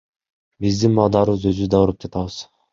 Биздин балдарыбыз, өзүбүз да ооруп атабыз.